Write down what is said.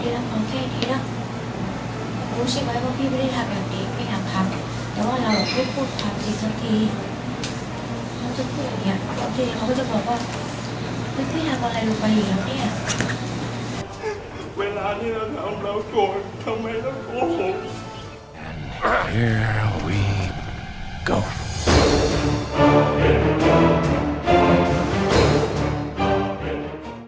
แล้วเร็วเข้าไป